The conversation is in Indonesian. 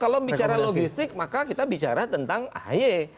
kalau bicara logistik maka kita bicara tentang ahy